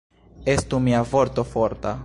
Estu mia vorto forta!